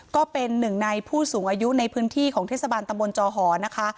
ก็เป็นหนึ่งในผู้สูงอายุในพื้นที่ของเทศบาลตำบลจอหอนะคะ